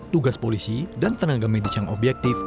tugas polisi dan tenaga medis yang objektif